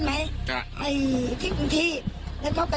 สวัสดีครับทุกคน